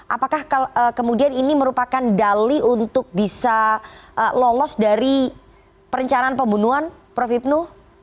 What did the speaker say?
apakah kemudian ini merupakan dali untuk bisa lolos dari perencanaan pembunuhan prof hipnu